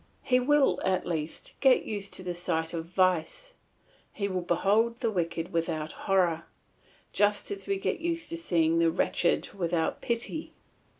He will, at least, get used to the sight of vice, he will behold the wicked without horror, just as we get used to seeing the wretched without pity.